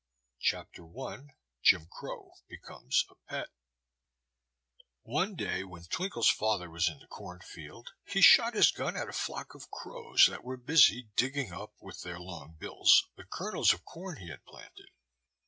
129 Chapter I Jim Crow Becomes a Pet ONE day, when Twinkle's father was in the corn field, he shot his gun at a flock of crows that were busy digging up, with their long bills, the kernels of corn he had planted.